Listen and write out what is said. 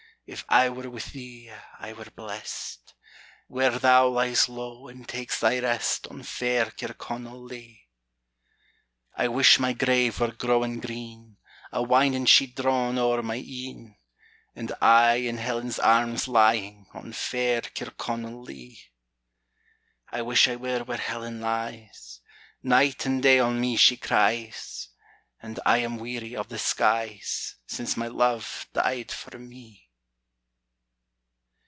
If I were with thee, I were blest, Where thou lies low and takes thy rest On fair Kirconnell lea. I wish my grave were growing green, A winding sheet drawn ower my een, And I in Helen's arms lying, On fair Kirconnell lea. I wish I were where Helen lies; Night and day on me she cries; And I am weary of the skies, Since my Love died for me.